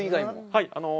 はい。